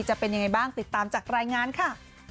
จะเป็นยังไงบ้างติดตามจากรายงานค่ะ